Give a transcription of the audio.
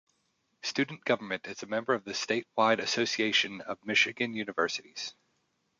Student Government is a member of the statewide Association of Michigan Universities.